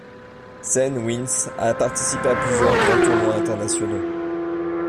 Senne Wyns a participé à plusieurs grands tournois internationaux.